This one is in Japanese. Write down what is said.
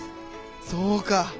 そうか。